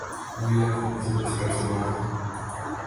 Ну як тут ні запляскаць у ладкі!